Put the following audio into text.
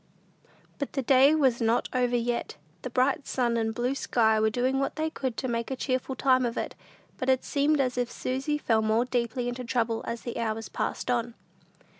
But the day was not over yet. The bright sun and blue sky were doing what they could to make a cheerful time of it, but it seemed as if Susy fell more deeply into trouble, as the hours passed on.